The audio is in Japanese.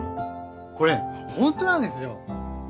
これ本当なんですよ。